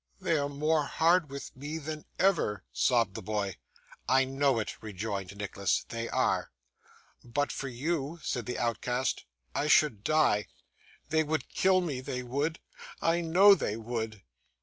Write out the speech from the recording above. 'They are more hard with me than ever,' sobbed the boy. 'I know it,' rejoined Nicholas. 'They are.' 'But for you,' said the outcast, 'I should die. They would kill me; they would; I know they would.